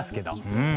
うん。